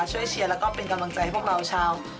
เชียร์แล้วก็เป็นกำลังใจให้พวกเราชาว